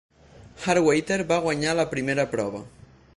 Hard Water va guanyar la primera prova.